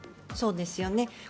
そうですよね。